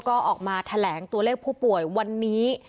ก็ออกมาแถลงตัวเลขผู้ป่วยวันนี้